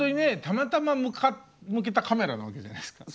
たまたま向けたカメラなわけじゃないですか。